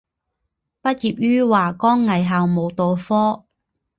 毕业于华冈艺校舞蹈科。